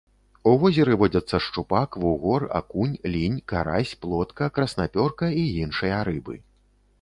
У возеры водзяцца шчупак, вугор, акунь, лінь, карась, плотка, краснапёрка і іншыя рыбы.